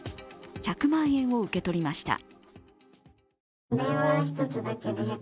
１００万円を受け取りました。